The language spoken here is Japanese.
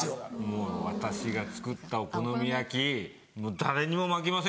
もう私が作ったお好み焼き誰にも負けませんから。